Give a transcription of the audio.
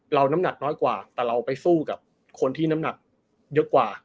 น้ำหนักน้อยกว่าแต่เราไปสู้กับคนที่น้ำหนักเยอะกว่า